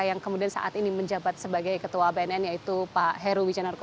yang kemudian saat ini menjabat sebagai ketua bnn yaitu pak heru wijanarko